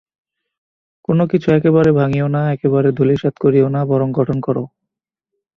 কোন কিছু একেবারে ভাঙিও না, একেবারে ধূলিসাৎ করিও না, বরং গঠন কর।